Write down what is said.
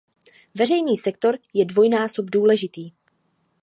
Veřejný sektor je dvojnásob důležitý.